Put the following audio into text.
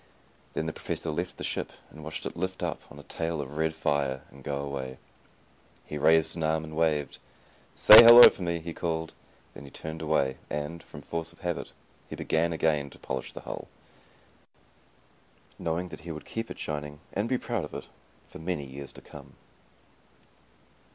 Then the Professor left the ship and watched it lift up on a tail of red fire and go away. He raised an arm and waved. "Say 'hello' for me," he called. Then he turned away and, from force of habit, he began again to polish the hull, knowing that he would keep it shining, and be proud of it, for many years to come.